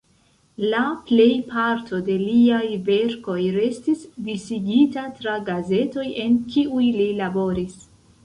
La plej parto de liaj verkoj restis disigita tra gazetoj en kiuj li laboris.